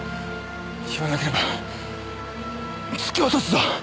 言わなければ突き落とすぞ！